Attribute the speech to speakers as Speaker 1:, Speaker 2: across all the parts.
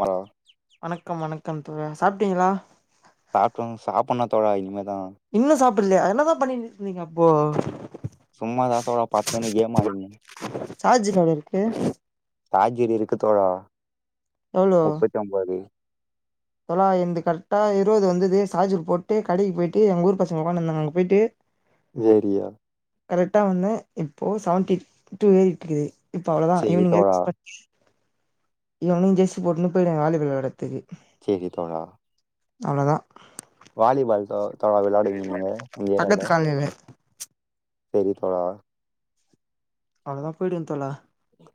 Speaker 1: Hello?
Speaker 2: வணக்கம் வணக்கம் தோழா சாப்ட்டீங்களா
Speaker 1: சாப்டனு சாப்ட்னு தோழா இனிமேதா
Speaker 2: இன்னு சாப்பில்லயா என்னதா பண்ணிட்டு இருந்தீங்க அப்போ
Speaker 1: சும்மாதா தோழா பத்துன்னு கேம் ஆடின்னு
Speaker 2: சாஜ் இன்னோ எவ்ளோ இருக்கு
Speaker 1: சாஜிரு இருக்கு தோழா
Speaker 2: எவ்ளோ
Speaker 1: முப்பத்தி ஒம்போது
Speaker 2: தோழா எந்து கரெட்டா இருவது வந்தது சார்ஜர் போட்டு கடைக்கு போயிட்டு எங்க ஊர் பசங்க உக்கானுந்தாங்க அங்க போயிட்டு
Speaker 1: வேரியா
Speaker 2: கரெக்டா வந்த இப்போ செவன்டி டூ ஏறிட்டுருக்குது இப்போ அவ்ளோதான்
Speaker 1: சேரி
Speaker 2: ஈவினிங்
Speaker 1: தோழா
Speaker 2: எக்ஸ்பட் ஈவினிங் ஜெர்சி போட்டுன்னு போயி வாலிபால் விளையாட தெரியு
Speaker 1: கேக்குது தோழா.
Speaker 2: அவ்ளதா.
Speaker 1: வாலிபால் தொ தொ வெளாடுவிங்க நீங்க இந்த
Speaker 2: பக்கத்து
Speaker 1: ஏரியால.
Speaker 2: காலனில
Speaker 1: செரி தோழா.
Speaker 2: அவளதா போயிடுவந் தோழா.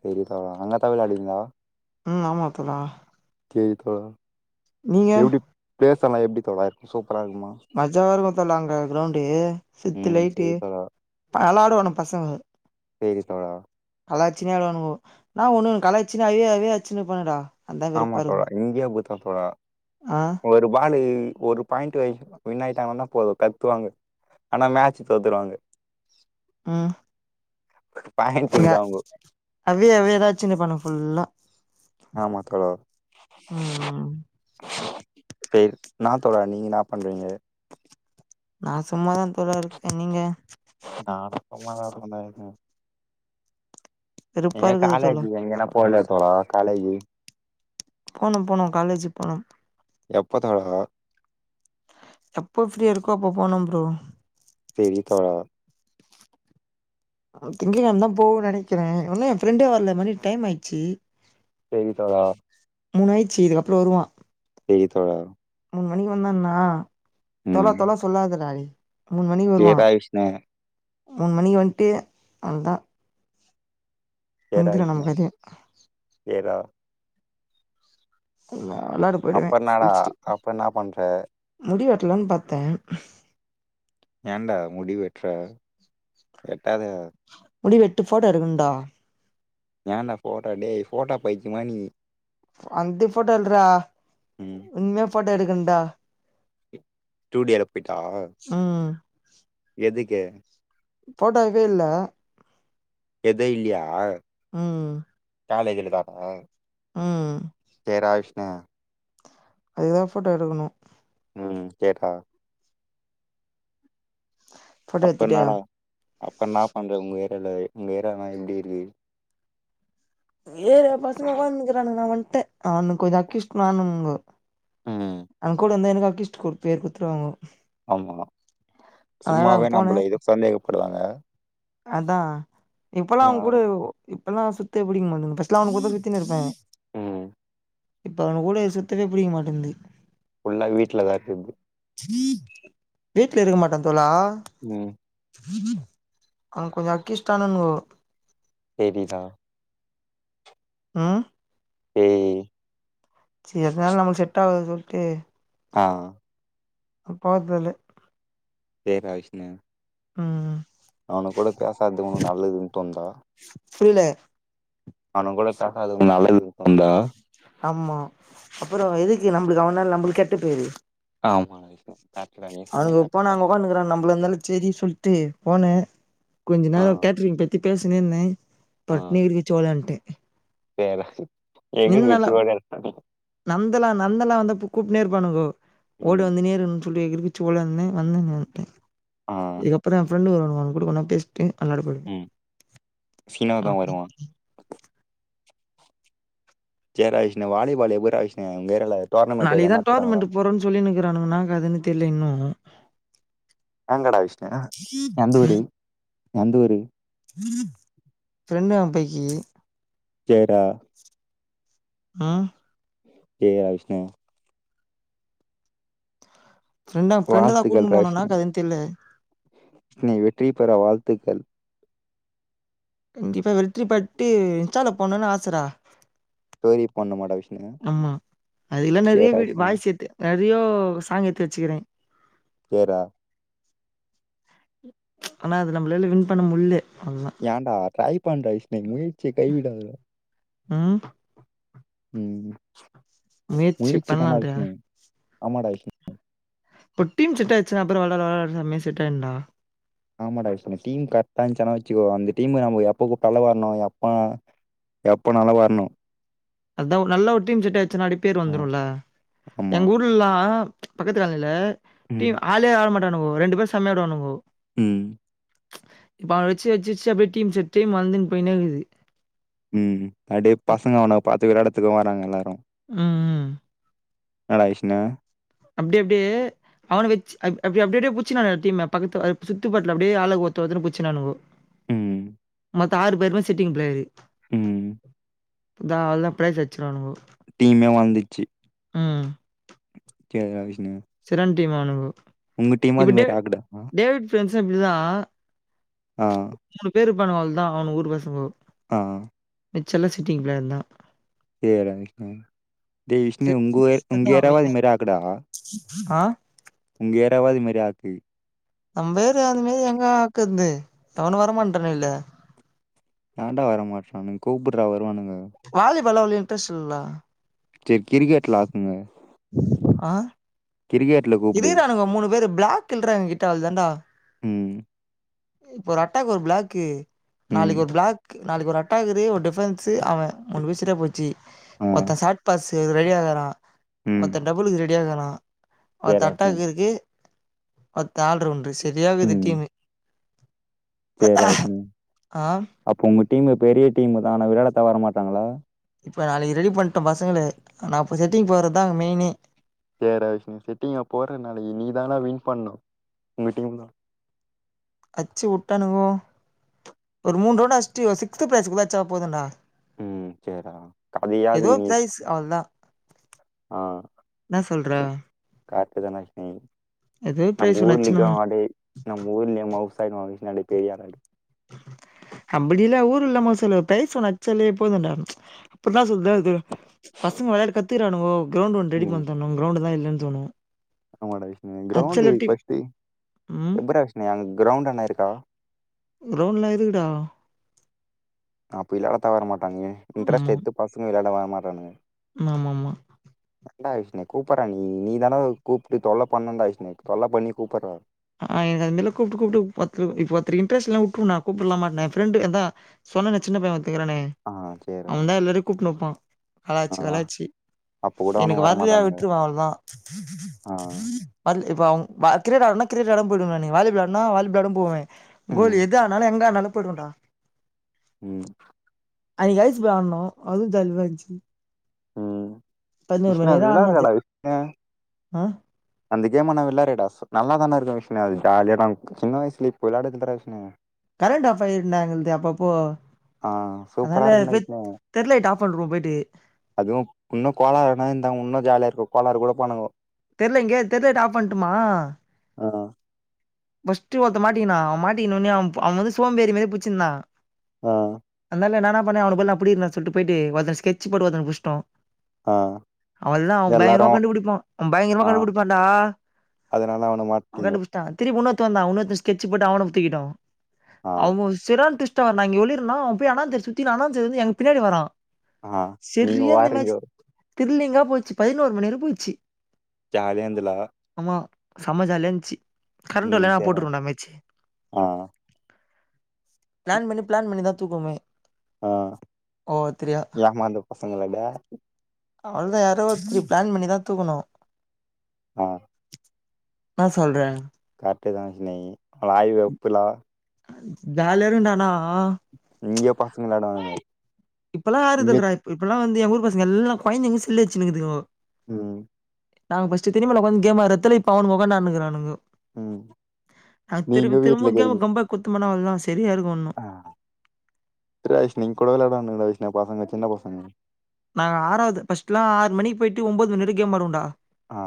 Speaker 1: செரி தோழா அங்கத்தா வெளாடுவிங்ளா?
Speaker 2: ம் ஆமா தோழா.
Speaker 1: கே தோழா.
Speaker 2: நீங்க
Speaker 1: எப்டி ப்ளேசல்லா எப்டி தோழா இருக்கு சூப்பரா இருக்மா?
Speaker 2: மஜாவா இருக்கு தோழா அங்க கிரௌண்டு சித்து
Speaker 1: ம்
Speaker 2: லைட்டு
Speaker 1: சேரி தோழா
Speaker 2: அளாடுவோ நம் பசங்க.
Speaker 1: கேக்குது தோழா.
Speaker 2: கலாச்சினே வெளாணுங்கோ நா ஒண்ணு கலாச்சினே அவியே அவியே அச்சுனுப்பாணுங்கடா.
Speaker 1: ஆமா தோழா இங்கியு அப்பித்தா தோழா.
Speaker 2: ஆ
Speaker 1: ஒ ரு பாலு ஒரு பாயிண்ட் வய் வின் ஆயிட்டாங்கன்னா போது கத்துவாங்க. ஆனா மேச்சு தோத்துருவாங்க.
Speaker 2: ம். த
Speaker 1: பாயிண்ட்டுக்குதா அவுங்கோ
Speaker 2: அவே அவே எதாச்சு நிப்பானுங் ஃபுல்லா.
Speaker 1: ஆமா தோழா.
Speaker 2: ம்
Speaker 1: செர் நா தோழா நீங்க இன்னா பண்றீங்க?
Speaker 2: நா சும்மாதாந் தோழா இருக்கே. நீங்க?
Speaker 1: நானு சும்மாதா இருப்ப டெய்லியு.
Speaker 2: வெறுப்பா
Speaker 1: எங்கியு
Speaker 2: இருக்குது தோழா
Speaker 1: காலேஜிகு எங்கனா போலயா தோழா காலேஜு?
Speaker 2: போணும் போணு காலேஜுக் போணும்.
Speaker 1: எப்ப தோழா?
Speaker 2: எப்பொ ஃப்ரீயாருக்கோ அப்போ போணும் ப்ரோ.
Speaker 1: செரி தோழா.
Speaker 2: அ அ திங்க கெழம‌ தா போவ நெனக்கிறே ஒன்னு எ ஃப்ரெண்டே வர்ல மணி டைம் ஆயிட்ச்சி.
Speaker 1: சேரி தோழா.
Speaker 2: மூனு ஆயிச்சி இதுக்கப்புற வருவா.
Speaker 1: செரி தோழா.
Speaker 2: மூன் மணிக்கு வந்தன்னா தோழா
Speaker 1: ம்
Speaker 2: தோழா சொல்லாதடா டே மூன் மணிக்கு வருவானா.
Speaker 1: சேர்டா விஷ்ணு
Speaker 2: மூன் மணிகு வந்ட்டு அவ்ள்த்தா.
Speaker 1: தேரா
Speaker 2: நம்ம
Speaker 1: விஷ்ணு
Speaker 2: கதையே
Speaker 1: தேரா.
Speaker 2: இல்ல வெளாடுப்
Speaker 1: அப்பர் இன்னாடா அப்ப என்னா பண்ற.
Speaker 2: முடி வெட்லான் பாத்தே
Speaker 1: ஏன்டா முடி வெட்ற வெட்டாத
Speaker 2: முடி வெட்டு ஃபோட்டோ எடுக்குன்டா
Speaker 1: ஏன்டா ஃபோட்டோ டேய் ஃபோட்டோ பைத்தியமா நீ
Speaker 2: அந்த ஃபோட்டோ இல்றா
Speaker 1: ம்
Speaker 2: இன் மேல் ஃபோட்டோ எடுக்குன்டா
Speaker 1: ஸ்டூடியோலப் போய்ட்டா
Speaker 2: ம்
Speaker 1: எதுக்கு
Speaker 2: போட்டோகஃபே இல்ல
Speaker 1: எதே இல்லியா
Speaker 2: ம் ம்
Speaker 1: காலேஜூல இதாதா
Speaker 2: ம்
Speaker 1: ஜெயரா விஷ்ணே
Speaker 2: அதுகுதா ஃபோட்டோ எடுகுணு
Speaker 1: ம் கேட்டா
Speaker 2: ஃபோட்டோ
Speaker 1: அப்ப
Speaker 2: எடுத்துட்டு
Speaker 1: இன்னடா அப்ப நா பண்ற உங்க ஏரியால உங்க ஏரியானா எப்டி இருகு
Speaker 2: ஏரியா பசங்க உக்கான்னுகிறானுங்க நா வன்ட்ட அவுனுக்கு கொஞ்ச அக்யூஸ்ட் நானும்ங்கோ
Speaker 1: ம்.
Speaker 2: அவுனுங் கூட இந்தா எனுகு அக்யூஸ்ட் குடுத் பேர் குத்துருவாங்கோ
Speaker 1: ஆமா சும்மாவே நம்ள இது சந்தேகப்படுவாங்க
Speaker 2: அதா இப்பலா அவுனுங்
Speaker 1: அதனால
Speaker 2: கூட இப்பலா சுத்த புடிக் மாட்டேங்து ஃபஸ்ட்லா அவுனுங் கூடத்தா சுத்தினிருப்பே
Speaker 1: ம்
Speaker 2: இப்ப அவனுங் கூட சுத்தவே பிடிக்க மாட்டேந்து
Speaker 1: ஃபுல்லா வீட்லதா இக்குது
Speaker 2: வீட்ல இருக்க மாட்டந் தோழா
Speaker 1: ம்
Speaker 2: [inaudible] அங் கொஞ்ச அக்கிஸ்ட்டானுன்கோ
Speaker 1: செரிதா
Speaker 2: ம்
Speaker 1: ஏய்
Speaker 2: சே அதனால நமக் செட்டாவாது சொல்ட்டு
Speaker 1: ஆ
Speaker 2: பாத்தாலே
Speaker 1: சேர்றா விஷ்ணு
Speaker 2: ம் ம்
Speaker 1: அவுனுங் கூட பேசாதது உனுக் நல்லதுன் தோண்தா
Speaker 2: புரில
Speaker 1: அவுனுங் கூட பேசாதது உனுக் நல்லதுன் தோண்தா
Speaker 2: ஆம்மா அப்புறோ எதுக்கு நம்ளுக்கு அவனால் நம்ளுக்கு கெட்டப் பேரு
Speaker 1: ஆமா விஷ்ணு கரெக்ட்டுடா நீ சொன்னது
Speaker 2: அவுனுங்க
Speaker 1: கரெக்ட்டுதா
Speaker 2: போனாங்க உக்கானுக்கிறானுங்க நம்ளா இந்தாலு செரி சொல்ட்டு போனே கொஞ்ச
Speaker 1: ஆ
Speaker 2: நேரோ கேட்டரிங் பத்திப் பேசினேந்தே பட்னு எகிறி குச்சி வொளான்ட்டே
Speaker 1: சேர்றா எகிறி குச்சி ஓடியான்டான்
Speaker 2: நந்தலா நந்தலா வந்தா பூ கூப்டுனே இருப்பானுங்கோ ஓடு
Speaker 1: ம்
Speaker 2: வந்துனேருக்குணுன்
Speaker 1: ஆ
Speaker 2: [unintelligible] ட்டு அன்னாட போய்டுவே
Speaker 1: ம் சீனு தா
Speaker 2: அ
Speaker 1: வருவா
Speaker 2: இ
Speaker 1: சேர்றா விஷ்ணு வாலிபால் எப்பர்றா விஷ்ணு உங்க ஏரியால டோர்னமெண்ட் எதா
Speaker 2: நாளைக்குதா
Speaker 1: நடத்துறாங்களா
Speaker 2: டோர்னமெண்ட்டு போறோன் சொல்லினுகிறானுங்க இன்னா கதனு தெர்ல இன்னு
Speaker 1: ஏங்கடா விஷ்ணு எந்தூரு எந்தூரு
Speaker 2: ஃபிரெண்டு அம்பகி
Speaker 1: சேர்டா
Speaker 2: ஆ
Speaker 1: கேகுதா விஷ்ணு
Speaker 2: ப்ரெண்டா ப்ரெண்ட தா கூட்னு
Speaker 1: வாழ்த்துக்கள்டா
Speaker 2: போனுன்னாக்கத தெர்ல
Speaker 1: நீ வெற்றி பெற வாழ்த்துக்கள்
Speaker 2: கண்டிப்பா வெற்றி பட்டு இன்ஸ்டால போட்னுன்னு ஆச டா
Speaker 1: டோரி போண்ணமாட்டா விஷ்ணு
Speaker 2: ஆமா அதுல்லாம
Speaker 1: ஜெயரா
Speaker 2: ரீவீடி
Speaker 1: விஷ்ணு
Speaker 2: பாய்சு எத்து நெறயோ சாங் எத்து வச்சுக்கிறே
Speaker 1: சேர்ரா
Speaker 2: ஆனா அது நம்மளால்ல வின் பண்ண முல்லே அவ்ளோதா
Speaker 1: யான்டா ட்ரை பண்ணறா விஷ்ணு முயற்சிய கை விடாத
Speaker 2: ஹா
Speaker 1: ம் முயற்சி பண்ணாதீங்க ஆமாடா விஷ்ணு
Speaker 2: ப்ப டீம் செட்டாயிச்சுனா அப்புறோ வெள்ளாரா வெளாரா செம்யா செட்டாயிடுண்டா
Speaker 1: ஆமா டா விஷ்ணு டீம் கர்ட்டா இருந்துச்சானா வச்சுக்கோ அந்த டீமு நம் எப்போ கூப்பிட்டாலு வர்ணு எப்பானா எப்பனாலு வர்ணும்
Speaker 2: அத்த ஒரு நல்ல ஒரு டீம் செட்டாய்ச்சுனா அப்டி பேர்
Speaker 1: ஆ
Speaker 2: வந்துருல்ல
Speaker 1: ஆமா
Speaker 2: எங்க ஊர் புல்லா பக்கத்து கடையில
Speaker 1: ம்
Speaker 2: டீம் ஆளே ஆட மாட்டானுவோ ரெண்டு பேரு செம்யா ஆடுவானுங்கோ
Speaker 1: ம்
Speaker 2: இப்போ அவ வெச்சு வெச்சு அப்டியே டீம் செட் வந்துன்னு போயின்னேகிது
Speaker 1: ம் அப்டியே பசங்க அவன பாத்துக்குற எடத்துக்கு வராங்க எல்லாரு
Speaker 2: ம்
Speaker 1: ன்னாடா விஷ்ணு
Speaker 2: அப்டி அப்டியே அவனை வெச்சி அப் அப்டிஅப்டியே புச்சுனானுங்கட டீமே பக்கத்து சுத்து பட்டுல அப்டியே ஆளு ஓத்து ஓத்துன்னு புச்சிநானுவோ
Speaker 1: ம்
Speaker 2: மொத்த ஆறு பேருமே சிட்டிங் பிளேயரு
Speaker 1: ம்
Speaker 2: தா அவ்ள்தா பிரைஸ் அடிச்சிருவானுவோ
Speaker 1: வந்திச்சி கேள்ரா விஷ்ணு
Speaker 2: செற்றான் டீம் அவனுங்கோ
Speaker 1: உங்க டீமும்
Speaker 2: இப்போ
Speaker 1: அது மாரி
Speaker 2: டேவி
Speaker 1: ஆக்குதா?
Speaker 2: டேவிட் ஃப்ரெண்ட்ஸு இப்டி தா
Speaker 1: அ
Speaker 2: மூணு பேருப்பாணுங்க அவ்ள்தா அவனு ஊர் பசங்கோ
Speaker 1: ஆஹ்
Speaker 2: ச்செல்லா சிட்டிங் பிளேயர் தா
Speaker 1: தெரியாது ரா விஷ்ணு டே விஷ்ணு உங் ஊர உங்கயேரியாவாது இந்மாரி ஆக்குடா
Speaker 2: ஆ
Speaker 1: உங்க யேறியாவாது இந்மாரி ஆக்கு
Speaker 2: நம்பேறியா அதுமாரி எங்க ஆக்குற்து எவனு வரமாட்டான்றாங்கலே
Speaker 1: எவன்டா வர மாற்றான்னுங்க கூப்புட்றா வருவானுங்க
Speaker 2: வாலிபால்லா அவ்ளோ இன்ட்ரஸ்ட் இல்லல
Speaker 1: சேரி கிரிக்கெட்ல ஆக்குங்க
Speaker 2: ஆ
Speaker 1: கிரிகெட்ல
Speaker 2: இருக்கரானுங்கோ மூணு பேரு பிளாக்கில்றா எங்கிட்ட அவ்ள்தாண்டா
Speaker 1: ம்,
Speaker 2: இப்போ ஒரு அட்டாக்கு ஒரு பிளாக்கு
Speaker 1: ம்,
Speaker 2: நாளைக்கு ஒரு பிளாக் நாளைக்கு ஒரு அட்டாக்குது ஒரு டிபரன்ஸு அவ மூணு பீசிட்டே போச்சு
Speaker 1: ஆ,
Speaker 2: ஒத்த ஷாட் பாஸ் ரெடியாகிறா
Speaker 1: ம்.
Speaker 2: ஒர்த்த டபுலுக்கு ரெடியாகிறா
Speaker 1: சரிடா
Speaker 2: ஒர்த்த
Speaker 1: விஷ்ணு.
Speaker 2: அட்டாக்குக்கு ஒர்த்த ஆல் ரவுண்டு செரியாகிது டீமு
Speaker 1: சேர் ரைட்டு
Speaker 2: ஆ
Speaker 1: அப்ப உங்க டீமு பெரிய டீமுதா ஆனா விளையாடத்தா வரமாட்டாங்கள்ள
Speaker 2: இப்ப நாளைக்கு ரெடி பண்ட்டோ பசங்கள நா இப்ப செட்டிங் போட்றதுதா மெயினே
Speaker 1: சேர்ரா விஷ்ணு செட்டிங்க போர நாளிக்கி நீ தானா வின் பண்ணு உங்க டீம்தா
Speaker 2: அச்சு வுட்டானுகோ ஒரு மூண் ரௌன்ட் அச்ட்டு சிக்ஸ்த் பேஸ்க்கு வச்சா போதுன்னா
Speaker 1: உம் சேர்ரா கதையாதுக்கு நீர்
Speaker 2: அவ்ள்தா ன்னா சொல்ற
Speaker 1: காத்துக நஷ்மி
Speaker 2: ஏதோ
Speaker 1: நம்ப
Speaker 2: ப்ரைஸ் ஒன்று
Speaker 1: ஊர்
Speaker 2: அடிச்சுன்னு
Speaker 1: இன்னிக்கு
Speaker 2: வந்துடணும்
Speaker 1: ஆடே நம் ஊர்லே மவுசா [unintelligible] பெரிய [unintelligible]
Speaker 2: அம்படில ஊர் இல்லாமோ சொல்லு ப்ரைஸ் ஒன்னு அச்சாலே போதுண்டாம் இப்டிதா சொல் க து பசங்க விளையாட்டு கத்துக்கிறானுவோ கவுண்ட் ஒன் ரெடி பண்ணி தர்ணு க்ரவுண்ட் தா இல்லன் தோணு
Speaker 1: ஆமாடா விஷ்ணு க்ரவுண்ட் ஏ பஷ்ட்டே
Speaker 2: ம்.
Speaker 1: எப்பறா அஷ்னியாவு க்ரவுண்ட் அன்ன இருக்கா
Speaker 2: க்ரவுண்லா இருக்குடா
Speaker 1: அப்பில்லா தவற மாட்டாங்குய இன்டரெஸ்ட் எத்து பசங்க விளையாடவா மாட்டானுங்க
Speaker 2: மாமாமா
Speaker 1: ண்டா விஷ்ணே கூப்பறா நீ நீ தானவ் கூப்ட்டு தொல்ல பண்ணுன்டா விஷ்ணே கொல்ல பண்ணி கூப்புற
Speaker 2: ஆ எனக் அதுமேல கூப்ட்டு கூப்ட்டுவ் பத்து இப்ப த்ரி இன்ட்ரெஸ் இல்லா உப்பு நா கூப்புலாமா நே ஃப்ரெண்டு அதா சொன்னன சின்ன வத்துகுறானே
Speaker 1: ஆ சேர்றா.
Speaker 2: அவன்தா எல்லாரையு கூப்ட்னு வப்பா
Speaker 1: ஆ
Speaker 2: ஹளாச்சி வளாச்சி
Speaker 1: அப்ப கூட
Speaker 2: எனக்கு
Speaker 1: அவனுங்க
Speaker 2: வர்லையா
Speaker 1: வரமாட்டானுங்க.
Speaker 2: விட்ருவா அவ்ளதா
Speaker 1: ஆ.
Speaker 2: வர்ல் இப் அவுங் வாக்ரே ராரனக் க்ரிக்கெட் ளாட போய்டுவ நீ வாலிபால்னா வாலிப்லாடு போவே கோலி
Speaker 1: ம்.
Speaker 2: எது ஆனாலு எங்க ஆனாலு போய்டுவன்டா
Speaker 1: ம்
Speaker 2: அய்க் ஐஸ் வான்னோ அறு தல்வாச்சி
Speaker 1: ம் விஷ்ணு
Speaker 2: வர ஆடுனோம் ஜா
Speaker 1: விளாதுகாடா விட்ட
Speaker 2: ஆ
Speaker 1: அந்த கேம நா விளாருடாஸ் நல்லாதான்டா இருக்கு விஷ்னு அது ஜாலியாக்கொங் சின்ன வயசுலே இப் விளையாட தின்ற விஷ்னு
Speaker 2: கரண்ட் ஆஃப் ஆயிட்னா எங்கள்து அப்பப்போ
Speaker 1: ஆ சூப்பரா
Speaker 2: அதால
Speaker 1: இருக்குண்டா
Speaker 2: ஃபித்
Speaker 1: விஷ்ணு
Speaker 2: தெர்லைட் ஆஃப் பண்றுவோ போய்ட்டு
Speaker 1: அதுவு இன்னு கோலாறுனா இந்தா உன்னு ஜாலியா இருக்கு கோலாற் கூட போனாங்கோ
Speaker 2: தெர்ல இங்க்யே தெர் லைட் ஆஃப் பண்ட்டுமா
Speaker 1: அஆ
Speaker 2: ஃபஸ்ட்டு ஒருத்த மாட்டிக்கினா அவ் மாட்டிக்கின்னொனே அவ்ம் ப அவ வந்து சோம்பேறி மேறி புச்சுந்தா
Speaker 1: ஆ
Speaker 2: அன்னால நானா பன்ன அவனு பதிலா போய் நா புடீற்னா சொல்ட்டு போய்ட்டே ஒருத்தன் ஸ்கெச் போட்டு ஒருத்தன புஷ்டோ
Speaker 1: ஆ
Speaker 2: அவல்லா அவ்
Speaker 1: எல்லாரு
Speaker 2: பயங்கரமா கண்டுபுடிப்போ பயங்கரமா கண்டுபுடிப்பான்டா
Speaker 1: அதனால்னா அவன மாட்டிங்கோ
Speaker 2: த திருப் உன்னொத்த வந்தா உன்னோத்த ஸ்கெட்சு போட்டு அவன தூக்கிட்டோ
Speaker 1: ஆ
Speaker 2: அவு ஸ் செரான் திஷ்ட்டா வரண்டா இங்கே ஒளிருனா போய் அனாந்தர் சுத்தினா அனாந்துருந்து எங் பின்னாடியே வரா
Speaker 1: ஆ நீங்க
Speaker 2: செரியா இந்த மேச்சு
Speaker 1: வாரீங்கோ
Speaker 2: திர்லிங்கா போச்சு பதினோரு மணி வர போச்சி
Speaker 1: ஜாலியாந்துல்லா
Speaker 2: ஆமா சமஜாலியாஞ்ச்சி கரண்ட்
Speaker 1: ம்
Speaker 2: வல்லனா
Speaker 1: சேர்ரா
Speaker 2: போட்டுடுவோன்டா மேச்சு
Speaker 1: ஆ
Speaker 2: ப்ளான் பண்ணி ப்ளான் பண்ணிதா தூக்குவோமே ஒவ்வொத்திரியா
Speaker 1: ஆமா அந்த பசங்களட
Speaker 2: அவ்ள்தா யாரோ ஒர்த்தி ப்ளான் பண்ணிதா தூக்கணு
Speaker 1: ஆ
Speaker 2: ன்னா சொல்ற
Speaker 1: கர்ட்தானே விஷ்ணேய் ஆய்வெ உப்புலா
Speaker 2: ஜாலியாருக்குண்டா ஆனா
Speaker 1: இங்க்யே பாத்துங்ளடா
Speaker 2: இப்பல்லா ஆறுதல்ற இப்பல்லா வந்து என் ஊர் பசங்க எல்லா கொய்ந்தங்களு செல்லு வெச்சினுக்கிதுவோ
Speaker 1: ம்
Speaker 2: நாங் பஸ்ட்டு திரிமலா வந்த் கேமா ரத்துல இப்ப அவனு ஒக்கான்டு ஆடுன்னுக்கிறானுங்கோ
Speaker 1: ம்
Speaker 2: அ
Speaker 1: நீங்க
Speaker 2: திரும்
Speaker 1: வீட்ல
Speaker 2: திரும்ப கேமு கம்பேக் குட்த்தமனா அவள் தா செரியா இருக்கு உன்னு
Speaker 1: சுரேஷ் நீங் கூட வெளையாட வேனா வைஷ்ணு பசங்க சின்ன பசங்க
Speaker 2: நாங்க ஆறாவது ஃபஸ்ட் லா ஆறு மணிக்கு போய்ட்டு ஒம்போது மணி வரை கேம் ஆடுவோண்டா
Speaker 1: ஆ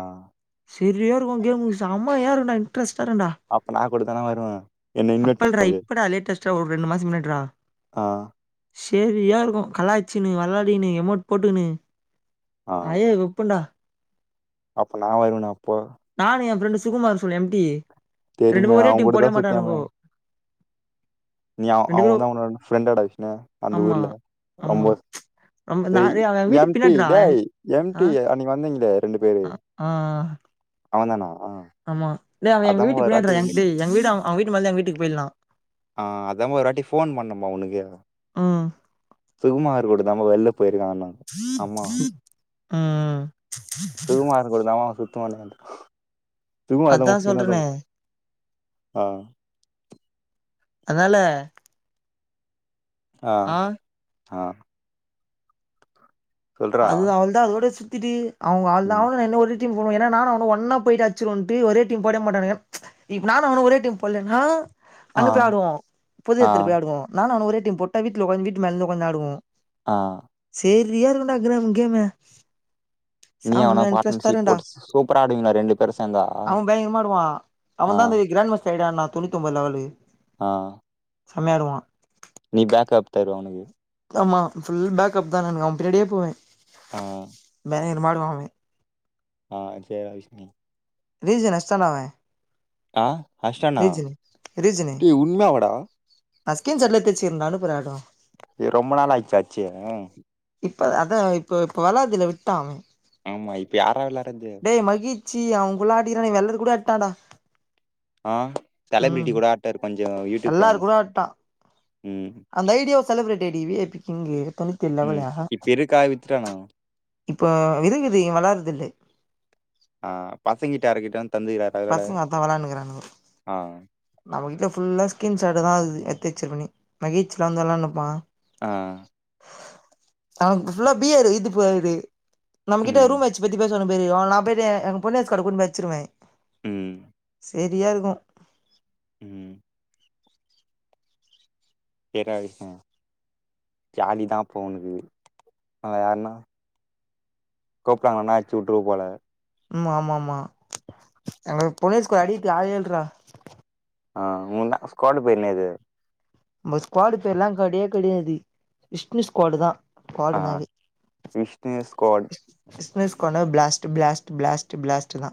Speaker 2: செரிய இருக்கு கேமு செம்மய இருக்குண்டா இன்ரெஸ்டா இருக்குண்டா
Speaker 1: அப்ப நா குடுத்தனா
Speaker 2: அப்பல்ரா இப்படா லேட்டஸ்ட்டா ஒரு ரெண்டு மாசோ முன்னாட்றா
Speaker 1: ஆ
Speaker 2: செரியாருக்கு கலாயச்சினு வெளாடினு எமோட் போட்டுகினு
Speaker 1: ஆ
Speaker 2: ஆயே உப்புண்டா
Speaker 1: அப்ப நா வருவனா அப்போ
Speaker 2: நானு எ ஃப்ரெண்டு் சுகுமார் சொல்லு எம்டி
Speaker 1: தெரியுமே
Speaker 2: ரெண்டுமே ஒரே
Speaker 1: அவன்
Speaker 2: டீம்
Speaker 1: கூட
Speaker 2: போடவே
Speaker 1: தான் சுத்தியாமே
Speaker 2: மாட்டானுங்கோ
Speaker 1: நீ அ
Speaker 2: ரெண்டு
Speaker 1: அவ
Speaker 2: பேரு
Speaker 1: தா ஒன்னோட ஃப்ரெண்டாட விஷ்ணு அந்த
Speaker 2: ஆமா
Speaker 1: ஊர்ல
Speaker 2: ஆமா
Speaker 1: ரொம்ப
Speaker 2: ரொம்ப நா
Speaker 1: பேய்
Speaker 2: டேய் அவ எங்க வீட்டு
Speaker 1: எம்டி
Speaker 2: பின்னாடிடா எங்
Speaker 1: டேய்
Speaker 2: ஆ
Speaker 1: எம்டி அன்னிக்கு வந்தீங்ளே ரெண்டு பேரு
Speaker 2: ஆ ஆ
Speaker 1: அவ தானா அவ
Speaker 2: ஆமா இல்ல அவ எங்க வீட்டுக் பின்னாடி ரா எங் டே எங்க வீடு அவ அவ வீட்டு முன்னாடி தா எங்க வீட்டுக்கு போயில்லா
Speaker 1: ஆ அதா ஒரு வாட்டி ஃபோன் பண்ணம்பா உனக்கு
Speaker 2: ம்
Speaker 1: சுகுமாரோட தா பா வெள்ள போய்ருக்கானா ஆமா
Speaker 2: ம்
Speaker 1: சுகுமார் கூட தா மா அவ சுத்துவானது சுகுமார்
Speaker 2: அதா
Speaker 1: தாவு சீனா தாவு
Speaker 2: சொல்றனே
Speaker 1: ஆ
Speaker 2: அதனால
Speaker 1: ஆ ஆ சொல்றா.
Speaker 2: அது அவள்தா அதோட சுத்திட்டு அவுங்க அவள் தா
Speaker 1: ம்.
Speaker 2: அவனு என்ன ஒரு டீம் போனு ஏனா நானு அவனு ஒன்னா போயிட்டு அட்ச்சிருவோன்ட்டு ஒரே டீம் போடவே மாட்டானுங்க இப்ப நானு அவனு ஒரே டீம் போல்லனா
Speaker 1: ஆ
Speaker 2: அங்க போய் ஆடுவோ பொது
Speaker 1: ஆ
Speaker 2: எடத்துல போய் ஆடுவோ நானு அவனு ஒரே டீம் போட்ட வீட்ல ஒக்காந்து வீட்டு மேல தா ஒக்காந்தாடுவோ
Speaker 1: ஆ
Speaker 2: செர்ரியாருக்குடா கிராம் கேமு
Speaker 1: நீ அவனு
Speaker 2: செம்ம
Speaker 1: பார்ட்னர்ஷிப்
Speaker 2: இன்ரஸ்டாருக்குடா
Speaker 1: போட்டு சூப்பரா ஆடுவீங்களா ரெண்டு பேரும் சேந்தா
Speaker 2: அவ பயங்கரமா ஆடுவா
Speaker 1: ஆ
Speaker 2: அவன் தா இந்த கிராண் மஸ்டர்ட ஆட்னா தொண்ணூத்தொம்பது லெவலு
Speaker 1: ஆ
Speaker 2: செம்மையாடுவா
Speaker 1: நீ பேக் அப் தருவ அவனக்கு
Speaker 2: ஆமா ஃபுல் பேக்அப் தா நானு அவ பின்னாடியே போவ
Speaker 1: ஆ
Speaker 2: பயங்கரமா ஆடுவா அவெ
Speaker 1: ஆ செர்ரா விஷ்னி
Speaker 2: ரீஜன் அஸ்டான்டா அவெ
Speaker 1: ஆ அஸ்டான்னா
Speaker 2: ரீஜனு
Speaker 1: டேய் உண்மையா வாடா
Speaker 2: நா ஸ்கீன் சாட்ல எத்து வச்சிகிரன்டா அனுப்புற அது
Speaker 1: இது ரொம்ப நாள் ஆயிச்சா அச்சீ
Speaker 2: இப்ப அதா இப்ப இப்ப வெலார்தில்ல விட்டா அவெ
Speaker 1: ஆமா இப்ப யாரா வெளாறது
Speaker 2: டே மகிழ்சி அவ குள்ளா அடிக்கிறாடா இவெ வெள்ளது கூட அட்டான்டா
Speaker 1: ஆ செலபிரிட்டி கூட ஆட்டாரு கொஞ்ச யூடியூப்
Speaker 2: எல்லாரு
Speaker 1: ஃபேமஸ்
Speaker 2: கூட ஆடிட்டா
Speaker 1: ம்
Speaker 2: அந்த ஐடியாவ செலப்ரேட் டேடிவி வி ஐ பி கிங்கு தனித்து
Speaker 1: ம்
Speaker 2: லெவலா
Speaker 1: இப்ப இருக்கா வித்துட்டானா
Speaker 2: இப்போ இருக்குது இவ வெளாறதில்லே
Speaker 1: ஆ பசங்கிட்டா யாருக்கிட்ட தந்துகிறாரு
Speaker 2: பசங்க அத்தா வெளான்னு இக்கிறானூங்கோ
Speaker 1: ஆ
Speaker 2: நம்மகிட்ட ஃபுல்லா ஸ்கிரீன்ஷாட் தா இருக்குது எடுத்து வைச்சிருப்பனே பீச் ல வந்து விளயாண்டுன்ருப்பா
Speaker 1: ஆ
Speaker 2: நமக்கு ஃபுல்லா பியர் [unintelligible] நம்ம கிட்ட
Speaker 1: ம்
Speaker 2: ரூம் மேட்ஸ் பத்தி பேசுவன்னு [unintelligible] நா போயிட்டு பொனேஸ்கூர் கார்டன் கூட்டு போயிட்டு வச்சிருவ
Speaker 1: ம்
Speaker 2: செரியா இருக்கும்
Speaker 1: ம் சேர்ரா விஷ்னு ஜாலி தா அப்ப உனக்கு அத யாருனா கூப்டறாங்கன்னா அச்சு விட்ருவ போல
Speaker 2: ம் ஆமா ஆமா எங்களுக்கு பொனேஸ்கூர் அடிக்கதுக்கு ஆளே இல்றா
Speaker 1: ஆ உங்க தா ஸ்குவர்ட் பெரு என்னது
Speaker 2: நம்ம ஸ்குவாடு பெருல்லா கெடையே கெடையாது விஷ்ணு ஸ்குவாடு தா
Speaker 1: ஆ
Speaker 2: ஸ்குவாடுனாவே
Speaker 1: விஷ்ணு ஸ்குவாடு
Speaker 2: விஷ்ணு ஸ்குவாடுன்னா பிளாஸ்ட் பிளாஸ்ட் பிளாஸ்ட் பிளாஸ்ட் தா